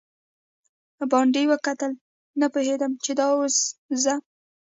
باندې وکتل، نه پوهېدم چې دا اوس زه.